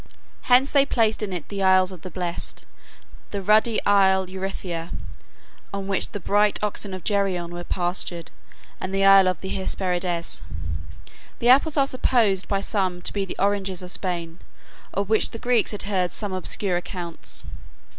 Hence they placed in it the Isles of the Blest, the ruddy Isle Erythea, on which the bright oxen of Geryon were pastured, and the Isle of the Hesperides. The apples are supposed by some to be the oranges of Spain, of which the Greeks had heard some obscure accounts.